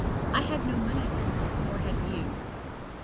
I had no money then, nor had you."